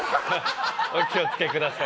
お気をつけください。